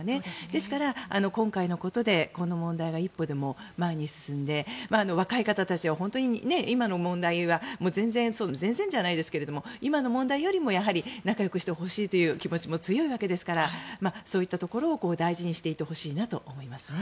ですから、今回のことでこの問題が一歩でも前に進んで若い方たちは本当に今の問題は全然じゃないですけど今の問題よりも仲よくしてほしいという気持ちも強いわけですからそういったところを大事にしていってほしいなと思いますよね。